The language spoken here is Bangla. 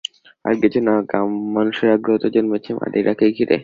আর কিছু না হোক, মানুষের আগ্রহ তো জন্মেছে মাদেইরাকে ঘিরে।